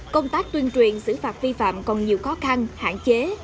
công tác tuyên truyền xử phạt vi phạm còn nhiều khó khăn hạn chế